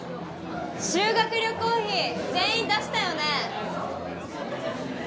修学旅行費全員出したよね？